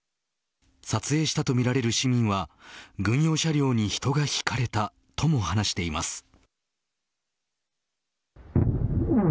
撮影したとみられる市民は軍用車両に人がひかれたとも話しています。